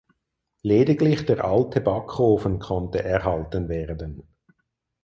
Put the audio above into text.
Lediglich der alte Backofen konnte erhalten werden.